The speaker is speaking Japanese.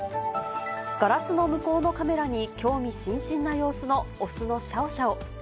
ガラスの向こうのカメラに興味津々な様子の雄のシャオシャオ。